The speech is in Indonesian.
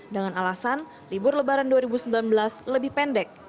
dengan alasan libur lebaran dua ribu sembilan belas lebih pendek